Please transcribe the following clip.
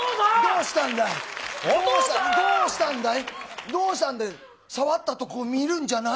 どうしたんだい。